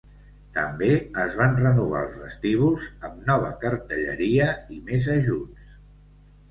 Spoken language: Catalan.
També es van renovar els vestíbuls, amb nova cartelleria i més ajuts.